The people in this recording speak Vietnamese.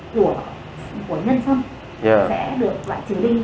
của nhân xăm sẽ được lại chỉ linh